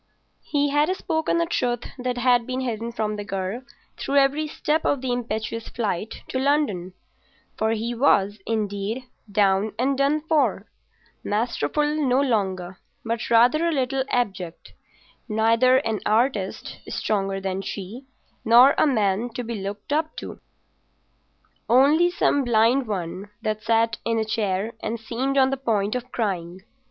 He had spoken a truth that had been hidden from the girl through every step of the impetuous flight to London; for he was, indeed, down and done for—masterful no longer but rather a little abject; neither an artist stronger than she, nor a man to be looked up to—only some blind one that sat in a chair and seemed on the point of crying.